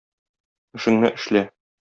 Эшеңне эшлә.